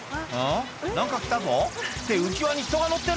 何か来たぞって